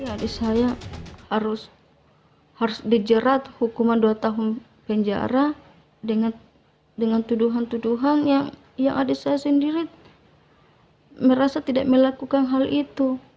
adik saya harus dijerat hukuman dua tahun penjara dengan tuduhan tuduhan yang adik saya sendiri merasa tidak melakukan hal itu